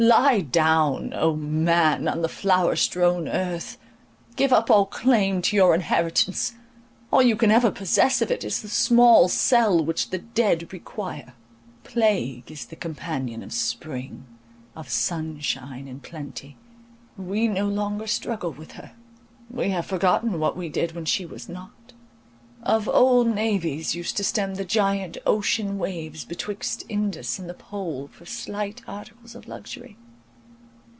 Lie down, O man, on the flower strown earth; give up all claim to your inheritance, all you can ever possess of it is the small cell which the dead require. Plague is the companion of spring, of sunshine, and plenty. We no longer struggle with her. We have forgotten what we did when she was not. Of old navies used to stem the giant ocean waves betwixt Indus and the Pole for slight articles of luxury.